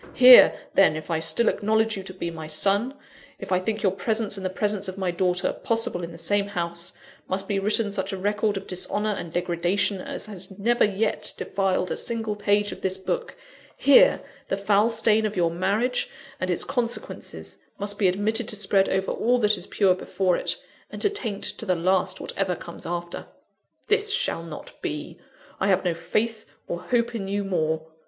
Here, then, if I still acknowledge you to be my son; if I think your presence and the presence of my daughter possible in the same house, must be written such a record of dishonour and degradation as has never yet defiled a single page of this book here, the foul stain of your marriage, and its consequences, must be admitted to spread over all that is pure before it, and to taint to the last whatever comes after. This shall not be. I have no faith or hope in you more.